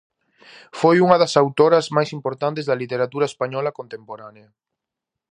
Foi unha das autoras máis importantes da literatura española contemporánea.